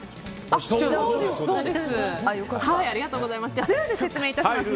ありがとうございます。